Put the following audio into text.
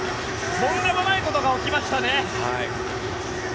とんでもないことが起きましたね。